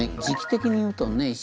時期的に言うとね